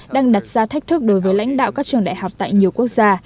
đang đặt ra thách thức đối với lãnh đạo các trường đại học tại nhiều quốc gia